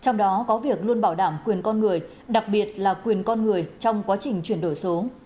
nó luôn bảo đảm quyền con người đặc biệt là quyền con người trong quá trình chuyển đổi số